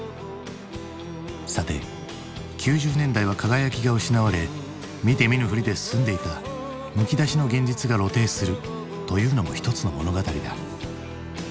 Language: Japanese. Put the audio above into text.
さて９０年代は輝きが失われ見て見ぬふりで済んでいたむき出しの現実が露呈するというのも一つの物語だ。